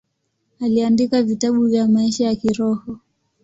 Aliandika vitabu vya maisha ya kiroho.